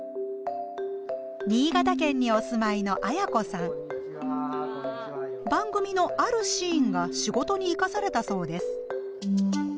新潟県にお住まいの番組のあるシーンが仕事にいかされたそうです。